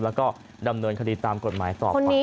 แล้วก็ดำเนินคดีตามกฎหมายสอบปากคำ